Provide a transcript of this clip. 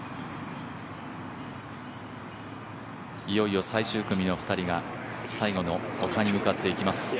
いよいよ最終組の２人が最後の丘に向かっていきます。